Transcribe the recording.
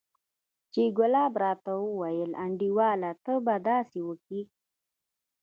چې ګلاب راته وويل انډيواله ته به داسې وکې.